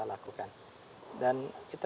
lakukan dan kita